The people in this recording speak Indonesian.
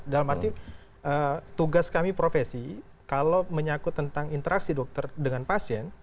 dalam arti tugas kami profesi kalau menyakut tentang interaksi dokter dengan pasien